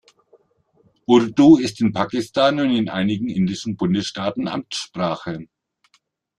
Urdu ist in Pakistan und einigen indischen Bundesstaaten Amtssprache.